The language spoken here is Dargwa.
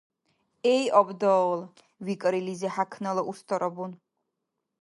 – Эй абдал, – викӀар илизи хӀякнала уста Рабун.